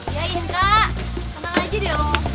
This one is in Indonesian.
iya iya kak tenang aja deh lo